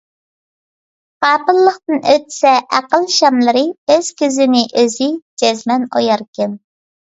غاپىللىقتىن ئۆچسە ئەقىل شاملىرى، ئۆز كۆزىنى ئۆزى جەزمەن ئوياركەن ...